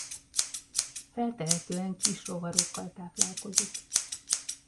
Feltehetően kis rovarokkal táplálkozik.